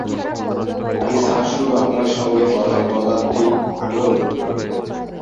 আমি স্যার শুধু আপনার সঙ্গে কথা বলাতেই আগ্রহ বোধ করি।